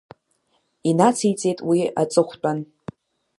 Инациҵеит уи аҵыхәтәан.